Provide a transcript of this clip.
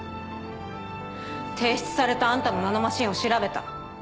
提出されたあんたのナノマシンを調べた。